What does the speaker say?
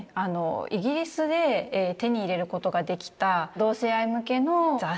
イギリスで手に入れることができた同性愛向けの雑誌ですとか小説から